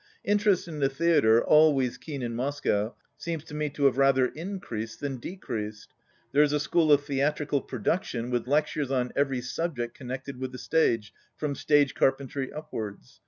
Interest in the theatre, always keen in Moscow, seems to me to have rather increased than decreased. There is a School of Theatrical Production, with lectures on every subject connected with the stage, from stage carpentry upwards.